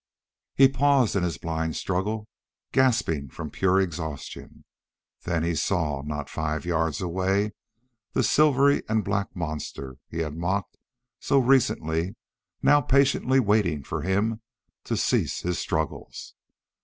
He paused in his blind struggle, gasping from pure exhaustion. Then he saw, not five yards away, the silvery and black monster he had mocked so recently now patiently waiting for him to cease his struggles.